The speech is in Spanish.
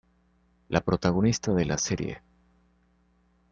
La protagonista de la serie.